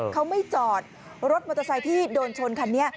เขาไม่จอดรถมอเตอร์ไซค์ที่โดนชนคันนี้